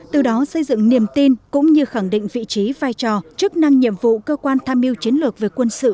từ đó xây dựng niềm tin cũng như khẳng định vị trí vai trò chức năng nhiệm vụ cơ quan tham mưu chiến lược về quân sự